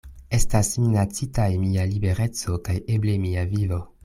Estas minacitaj mia libereco kaj eble mia vivo.